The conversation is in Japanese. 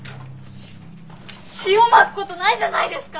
塩まくことないじゃないですか！